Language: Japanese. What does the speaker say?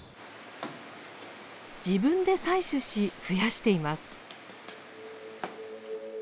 自分で採取し増やしています。